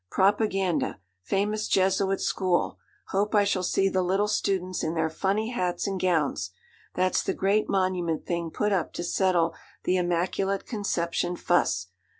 Propaganda, famous Jesuit school. Hope I shall see the little students in their funny hats and gowns. That's the great monument thing put up to settle the Immaculate Conception fuss.